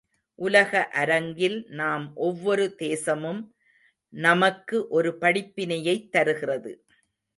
உலக அரங்கில் நாம் ஒவ்வொரு தேசமும் நமக்கு ஒரு படிப்பினையைத் தருகிறது.